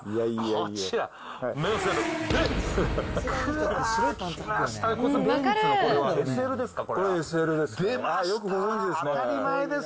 これはＳＬです。